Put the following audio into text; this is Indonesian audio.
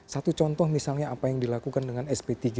satu contoh misalnya apa yang dilakukan dengan sp tiga